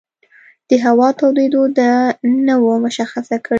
د هوا تودېدو دا نه وه مشخصه کړې.